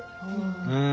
うん。